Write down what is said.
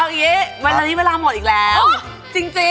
ถ้าเมื่อกี้บอกมีแฟนแล้วให้กลับเลยนะ